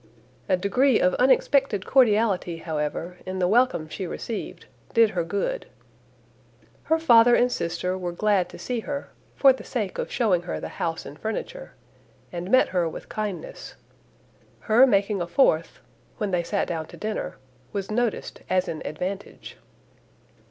A degree of unexpected cordiality, however, in the welcome she received, did her good. Her father and sister were glad to see her, for the sake of shewing her the house and furniture, and met her with kindness. Her making a fourth, when they sat down to dinner, was noticed as an advantage.